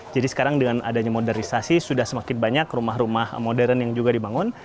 jadi sekarang dengan adanya modernisasi sudah semakin banyak rumah rumah modern yang juga dibangun